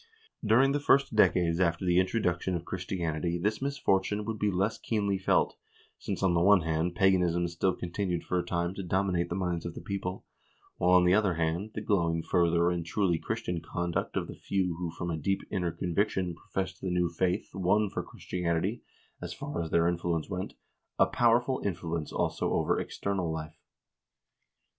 During the first decades after the introduction of Christianity this misfortune would be less keenly felt, since, on the one hand, paganism still continued for a time to dominate the minds of the people, while, on the other hand, the glowing fervor and truly Christian conduct of the few who from a deep inner conviction professed the new faith won for Christianity, as far as their influence went, a powerful influence also over external life.